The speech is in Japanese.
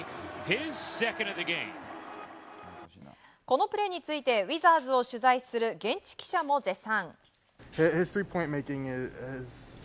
このプレーについてウィザーズを取材する現地記者も絶賛。